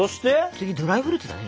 次ドライフルーツだね。